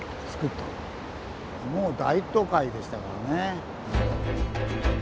もう大都会でしたからね。